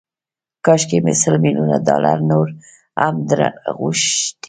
کاشکي مې سل ميليونه ډالر نور هم درنه غوښتي وای.